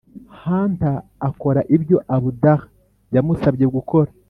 hunter akora ibyo abdallah yamusabye gukora.